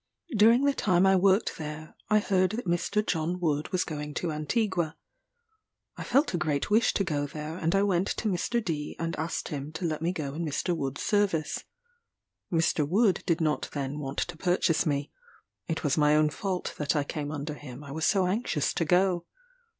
During the time I worked there, I heard that Mr. John Wood was going to Antigua. I felt a great wish to go there, and I went to Mr. D , and asked him to let me go in Mr. Wood's service. Mr. Wood did not then want to purchase me; it was my own fault that I came under him, I was so anxious to go.